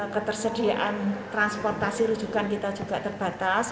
ketersediaan transportasi rujukan kita juga terbatas